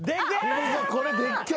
これでっけえ。